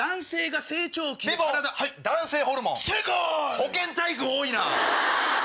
保健体育多いな！